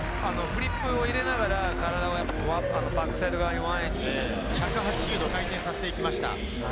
フリップを入れながら、体をバックサイド側に前に１８０度回転させていきました。